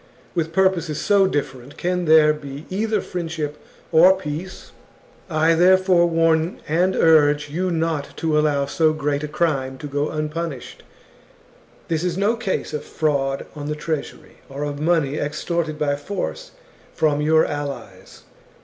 With purposes so different, can there be either , friendship or peace ? "I, therefore, warn and urge you not to allow so great a crime to go unpunished. This is no case of fraud on the treasury, or of money extorted by force from your allies.